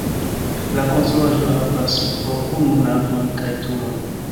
La konstruaĵo havas po unu navon kaj turon.